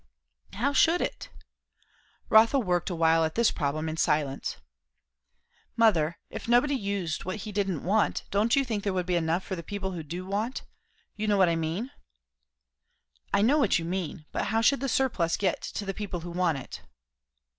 "How should it?" Rotha worked awhile at this problem in silence. "Mother, if nobody used what he didn't want, don't you think there would be enough for the people who do want? You know what I mean?" "I know what you mean. But how should the surplus get to the people who want it?"